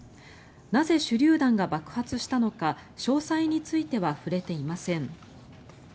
なぜ手りゅう弾が爆発したのか詳細については触れていません。